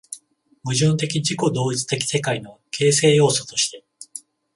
矛盾的自己同一的世界の形成要素として